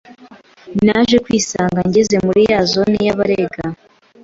naje kwisanga ngeze muri ya zone y’Abarega